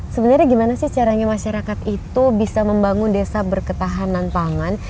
sebenarnya gimana sih caranya masyarakat itu bisa membangun desa berketahanan pangan